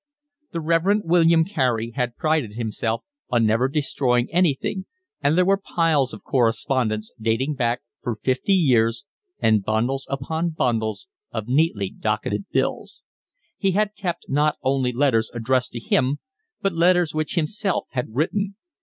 The Rev. William Carey had prided himself on never destroying anything, and there were piles of correspondence dating back for fifty years and bundles upon bundles of neatly docketed bills. He had kept not only letters addressed to him, but letters which himself had written.